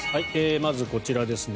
まずこちらですね。